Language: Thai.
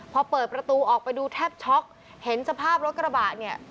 พอเปิดประตูออกไปดูแทบช็อกเห็นสภาพรถกระบะเนี่ย